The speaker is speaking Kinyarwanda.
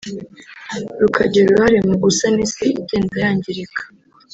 rukagira uruhare mu gusana isi igenda yangirika